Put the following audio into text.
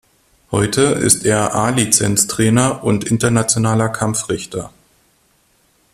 Heute ist er A-Lizenz-Trainer und internationaler Kampfrichter.